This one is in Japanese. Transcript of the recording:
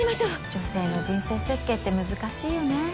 女性の人生設計って難しいよね。